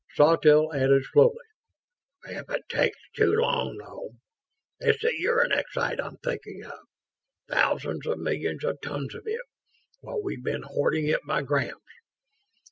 Sawtelle added, slowly: "If it takes too long, though ... it's the uranexite I'm thinking of. Thousands of millions of tons of it, while we've been hoarding it by grams.